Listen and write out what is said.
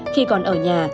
khi còn ở nhà